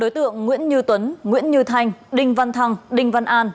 đối tượng nguyễn như tuấn nguyễn như thanh đinh văn thăng đinh văn an